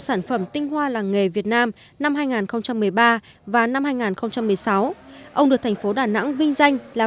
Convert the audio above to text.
sản phẩm tinh hoa làng nghề việt nam năm hai nghìn một mươi ba và năm hai nghìn một mươi sáu ông được thành phố đà nẵng vinh danh là